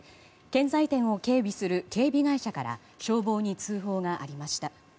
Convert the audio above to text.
建材店を警備する警備会社から消防に通報がありました。